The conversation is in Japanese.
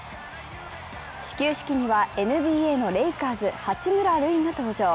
始球式にはＮＢＡのレイカーズ・八村塁が登場。